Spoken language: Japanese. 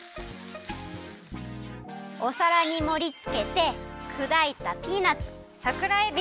おさらにもりつけてくだいたピーナツさくらえび